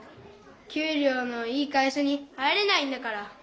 給りょうのいい会社に入れないんだから。